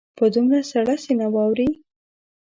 په دومره سړه سینه واوري.